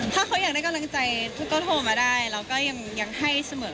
ถ้าเขายังได้กำลังใจทุกคนก็โทรมาได้แล้วก็ยังให้เสมอ